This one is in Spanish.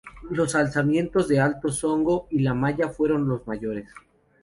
Los alzamientos de Alto Songo y La Maya fueron los mayores.